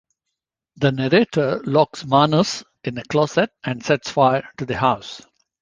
The narrator locks Manus in a closet and sets fire to the house.